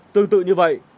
tương tự như vậy